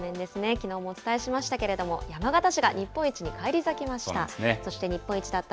きのうもお伝えしましたけれども、山形市が日本一に返り咲きました。